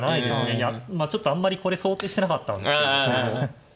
いやちょっとあんまりこれ想定してなかったんですけど。